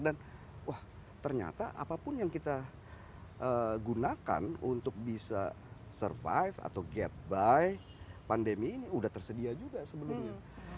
dan ternyata apapun yang kita gunakan untuk bisa survive atau get by pandemi ini sudah tersedia juga sebelumnya